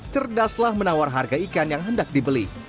cerdaslah menawar harga ikan yang hendak dibeli